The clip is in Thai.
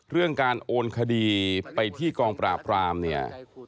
เรื่องการโอนคดีไปที่กองปราบรามเนี่ย